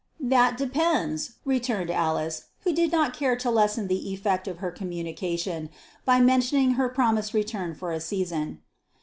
"That depends," returned Alice, who did not care to lessen the effect of her communication by mentioning her promised return for a season.